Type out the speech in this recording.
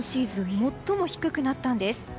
最も低くなったんです。